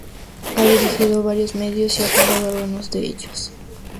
Ha dirigido varios medios y ha fundado algunos de ellos.